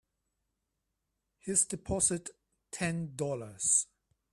He's deposited Ten Dollars.